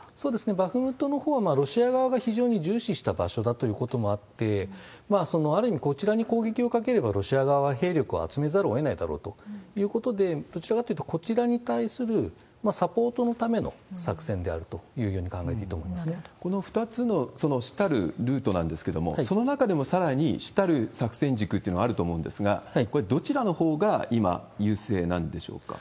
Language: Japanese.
バフムトのほうは、ロシア側が非常に重視した場所だということもあって、ある意味、こちらに攻撃をかければ、ロシア側は兵力を集めざるをえないだろうということで、どちらかというと、こちらに対するサポートのための作戦であるというように考えていいとこの２つの主たるルートなんですけれども、その中でもさらに主たる作戦軸ってのがあると思うんですが、これ、どちらのほうが今、優勢なんでしょうか。